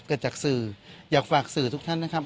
เกิดจากสื่ออยากฝากสื่อทุกท่านนะครับ